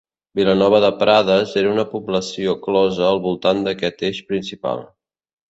Vilanova de Prades era una població closa al voltant d'aquest eix principal.